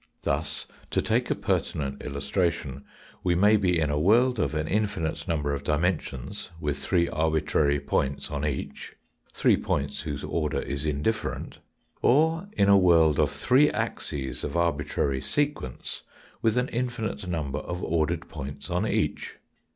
Thus to take a per tinent illustration, we may be in a world of an infinite number of dimensions, with three arbitrary points on each three points whose order is indifferent, or in a world of three axes of arbitary sequence with an infinite number of ordered points on each.